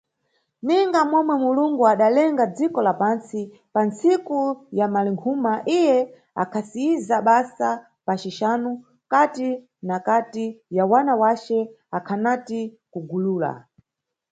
Ninga momwe Mulungu adalenga dziko la pantsi pa nntsiku ya Malinkhuma, iye akhasiyiza basa pa cixanu, kati na kati ya wana wace akhanati kugulula.